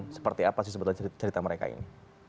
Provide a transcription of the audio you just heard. seperti apa sih sebetulnya cerita mereka ini